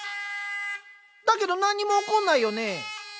だけど何にも起こんないよね？